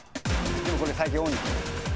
でもこれ最近多いんすよ。